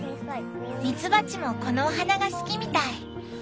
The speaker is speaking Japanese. ミツバチもこのお花が好きみたい。